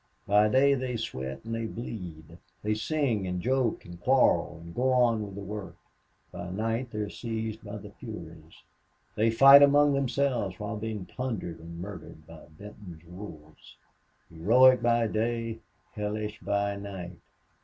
By day they sweat and they bleed, they sing and joke and quarrel and go on with the work. By night they are seized by the furies. They fight among themselves while being plundered and murdered by Benton's wolves. Heroic by day hellish by night....